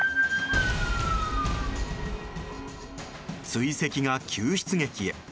追跡が救出劇へ。